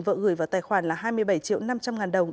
vợ gửi vào tài khoản là hai mươi bảy triệu năm trăm linh ngàn đồng